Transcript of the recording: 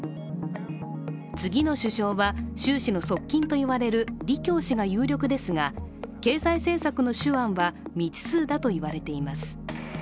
次の首相は習氏の側近といわれる李強氏が有力ですが経済政策の手腕は未知数だと言われています。